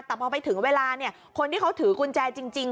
แต่พอไปถึงเวลาคนที่เขาถือกุญแจจริง